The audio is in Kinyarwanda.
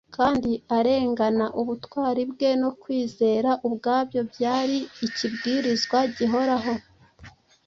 kandi arengana, ubutwari bwe no kwizera, ubwabyo byari ikibwirizwa gihoraho.